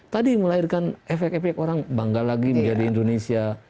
tadi melahirkan efek efek orang bangga lagi menjadi indonesia